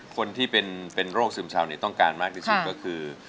คนที่เป็นโรคซึมเช้านี้ต้องการมากที่สุดก็คือ